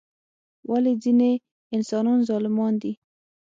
ولی ځینی انسانان ظالمان دي؟